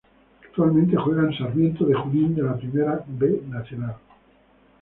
Actualmente juega en Sarmiento de Junín de la Primera B Nacional.